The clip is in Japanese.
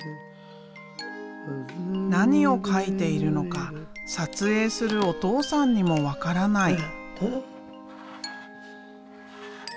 何を描いているのか撮影するお父さんにも分からない。